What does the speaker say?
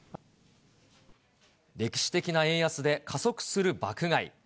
歴史的な円安で、加速する爆買い。